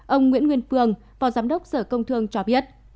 ông nguyễn nguyên phương phó giám đốc sở công thương cho biết